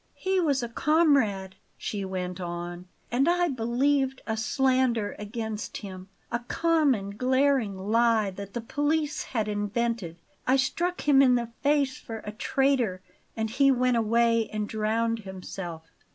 "He was a comrade," she went on; "and I believed a slander against him, a common glaring lie that the police had invented. I struck him in the face for a traitor; and he went away and drowned himself.